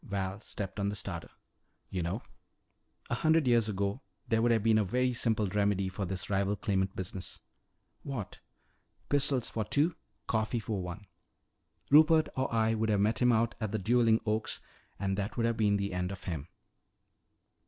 Val stepped on the starter. "You know, a hundred years ago there would have been a very simple remedy for this rival claimant business." "What?" "Pistols for two coffee for one. Rupert or I would have met him out at the dueling oaks and that would have been the end of him."